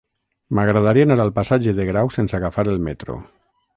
M'agradaria anar al passatge de Grau sense agafar el metro.